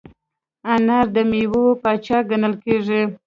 انار د میوو پاچا ګڼل کېږي.